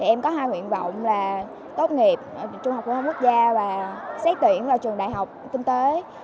em có hai nguyện vọng là tốt nghiệp trung học của học quốc gia và xét tuyển vào trường đại học kinh tế